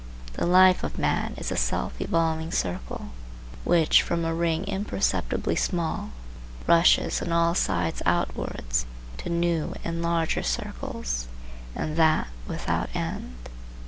The life of man is a self evolving circle, which, from a ring imperceptibly small, rushes on all sides outwards to new and larger circles, and that without end.